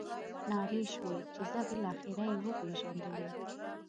نارې شوې چې ځه بالاخره یې وپېژندلې.